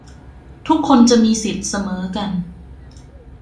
ทุกคนจะมีสิทธิเสมอกัน